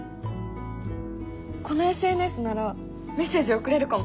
このＳＮＳならメッセージ送れるかも！